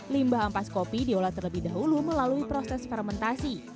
limbah ampas kopi diolah terlebih dahulu melalui proses fermentasi